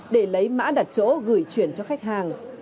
để lấy mã đặt chỗ gửi chuyển cho khách hàng